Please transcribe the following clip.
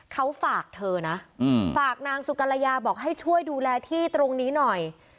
เขาฝากเธอนะฝากนางสุกรยาบอกให้ช่วยดูแลที่ตรงนี้หน่อย